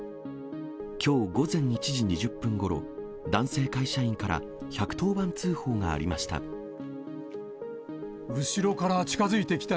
きょう午前１時２０分ごろ、男性会社員から、１１０番通報がありました。